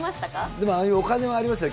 でもああいうお金はありますね。